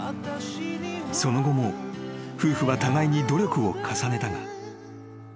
［その後も夫婦は互いに努力を重ねたが］